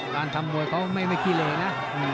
การทำมวยเขาไม่ขี้เลยนะ